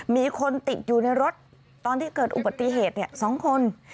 มีคนติดอยู่ในรถตอนที่เกิดอุบัติเหตุ๒คน